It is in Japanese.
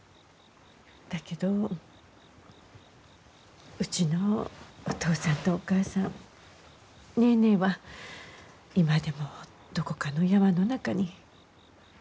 だけどうちのお父さんとお母さんネーネーは今でもどこかの山の中に。